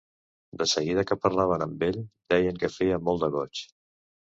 De seguida que parlaven amb ell, deien que feia molt de goig.